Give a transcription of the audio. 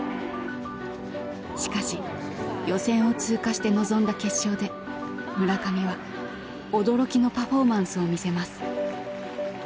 しかし予選を通過して臨んだ決勝で村上は驚きのパフォーマンスを見せます。